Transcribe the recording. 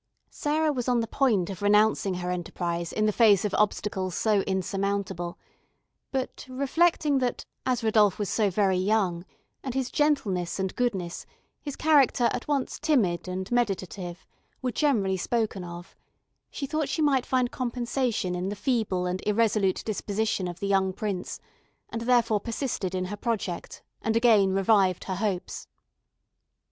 Sarah was on the point of renouncing her enterprise in the face of obstacles so insurmountable; but, reflecting that, as Rodolph was very young, and his gentleness and goodness, his character at once timid and meditative, were generally spoken of, she thought she might find compensation in the feeble and irresolute disposition of the young prince, and therefore persisted in her project, and again revived her hopes.